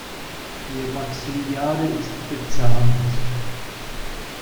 Ihr Maxillare ist bezahnt.